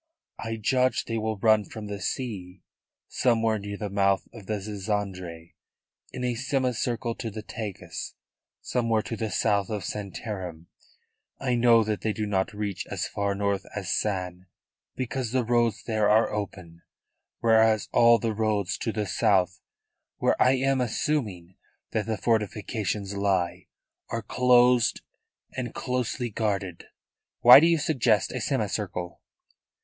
I judge they will run from the sea, somewhere near the mouth of the Zizandre, in a semicircle to the Tagus, somewhere to the south of Santarem. I know that they do not reach as far north as San, because the roads there are open, whereas all roads to the south, where I am assuming that the fortifications lie, are closed and closely guarded." "Why do you suggest a semicircle?"